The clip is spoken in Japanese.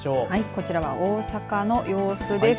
こちらは大阪の様子です。